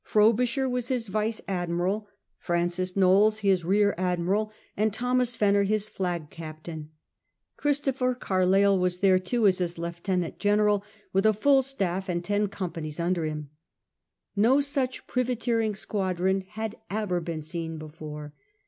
Frobisher was his vice admiral, Francis Knollys his rear admiral, and Thomas Fenner his flag captain. Chris topher Carleill was there too as lieutenant general, with a full staff and ten companies under him. No such privateering squadron had ever been seen before.